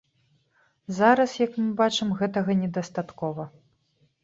Зараз, як мы бачым, гэтага недастаткова.